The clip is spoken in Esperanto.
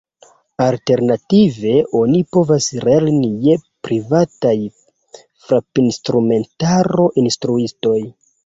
Alternative oni povas lerni je privataj frapinstrumentaro-instruistoj.